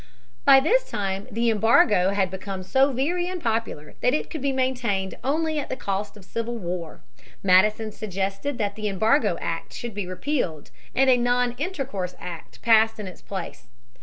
By this time the embargo had become so very unpopular that it could be maintained only at the cost of civil war. Madison suggested that the Embargo Act should be repealed, and a Non Intercourse Act passed in its place.